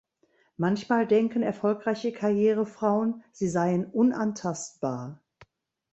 Manchmal denken erfolgreiche Karrierefrauen, sie seien unantastbar.